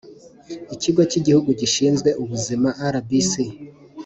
Ikigo cy igihugu gishinzwe ubuzima rbc